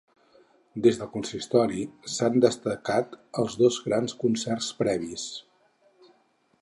Des del consistori s’han destacat els dos grans concerts previs.